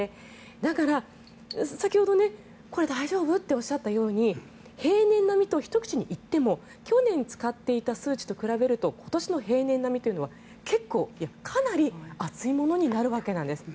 だから先ほど、これ大丈夫？とおっしゃったように平年並みとひと口に言っても去年使っていた数値と比べると今年の平年並みは結構、いや、かなり暑いものになるわけなんです。